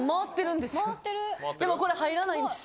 でもこれ入らないんですよ。